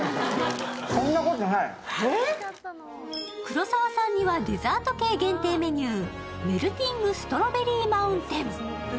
黒沢さんにはデザート系限定メニューメルティングストロベリーマウンテン。